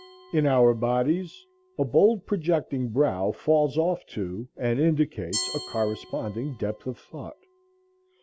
In our bodies, a bold projecting brow falls off to and indicates a corresponding depth of thought.